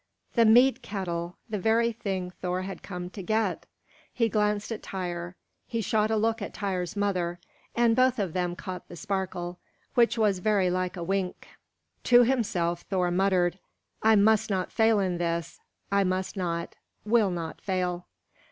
The mead kettle! The very thing Thor had come to get! He glanced at Tŷr; he shot a look at Tŷr's mother; and both of them caught the sparkle, which was very like a wink. To himself Thor muttered, "I must not fail in this! I must not, will not fail!"